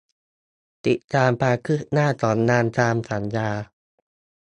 ติดตามความคืบหน้าของงานตามสัญญา